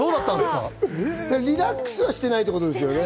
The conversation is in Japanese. リラックスはしてないってことですよね。